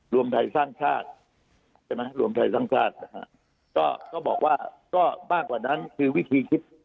รวมไทยสร้างชาติรวมไทยสร้างชาติก็บอกว่าก็บ้างกว่านั้นคือวิธีคิด